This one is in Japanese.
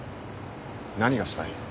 何がしたい？